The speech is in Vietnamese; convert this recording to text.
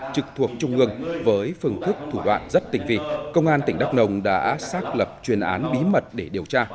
trực thuộc trung ương với phương thức thủ đoạn rất tình vị công an tỉnh đắk nông đã xác lập chuyên án bí mật để điều tra